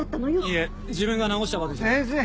いえ自分が治したわけじゃ。